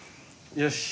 よし。